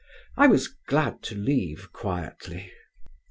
I was glad to leave quietly.